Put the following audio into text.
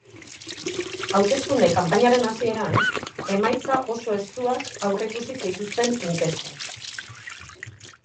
Hauteskunde kanpainaren hasieran, emaitza oso estuak aurreikusi zituzten inkestek.